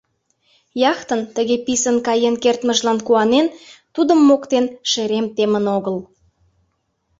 Яхтын тыге писын каен кертмыжлан куанен, тудым моктен шерем темын огыл.